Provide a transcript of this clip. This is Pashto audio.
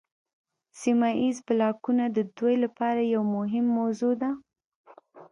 سیمه ایز بلاکونه د دوی لپاره یوه مهمه موضوع ده